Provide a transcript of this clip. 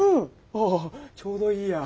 ああちょうどいいや。